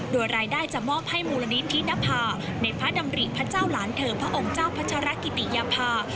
โดยรายได้จะมอบให้มูลนิธินภาในพระดำริพระเจ้าหลานเธอพระองค์เจ้าพัชรกิติยภา